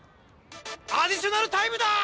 アディショナルタイムだ！